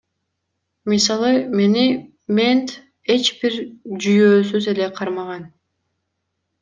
Мисалы, мени мент эч бир жүйөөсүз эле кармаган.